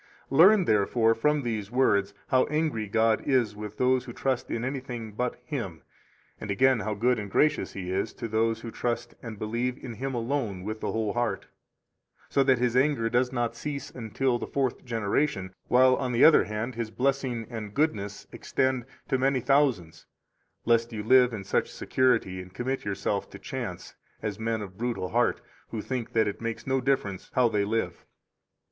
32 Learn, therefore, from these words how angry God is with those who trust in anything but Him, and again, how good and gracious He is to those who trust and believe in Him alone with the whole heart; so that His anger does not cease until the fourth generation, while, on the other hand, His blessing and goodness extend to many thousands, 33 lest you live in such security and commit yourself to chance, as men of brutal heart, who think that it makes no great difference [how they live].